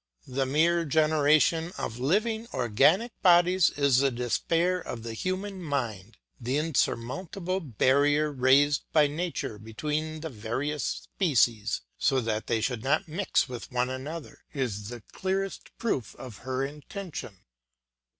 The mere generation of living organic bodies is the despair of the human mind; the insurmountable barrier raised by nature between the various species, so that they should not mix with one another, is the clearest proof of her intention.